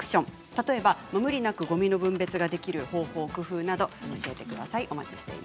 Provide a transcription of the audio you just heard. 例えば無理なくごみの分別ができる工夫など教えてください